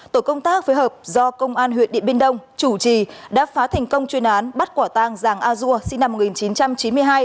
tổ công tác phối hợp do công an huyện điện biên đông chủ trì đã phá thành công chuyên án bắt quả tang giàng a dua sinh năm một nghìn chín trăm chín mươi hai